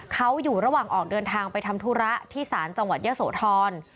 เขาอยู่ระหว่างออกเดินทางไปทำธุระที่ศาลจังหวัดเยอะโสธร